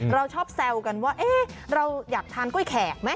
เราชอบแซวกันว่าเราอยากทานกล้วยแขกไหม